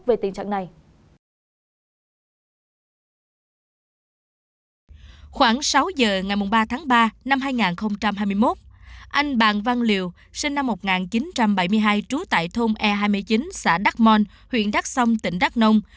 khoảng sáu giờ ngày ba tháng ba năm hai nghìn hai mươi một anh bàn văn liều sinh năm một nghìn chín trăm bảy mươi hai trú tại thôn e hai mươi chín xã đắk mon huyện đắk sông tỉnh đắk nông